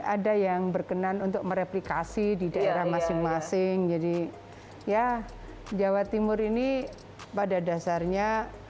ada yang berkenan untuk mereplikasi di daerah masing masing jadi ya jawa timur ini pada dasarnya